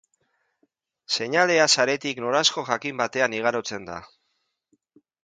Seinalea saretik noranzko jakin batean igarotzen da.